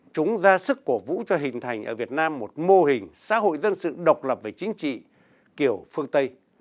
chúng ra sức cổ vũ cho hình thành ở việt nam một mô hình xã hội dân sự độc lập về chính trị kiểu phương tây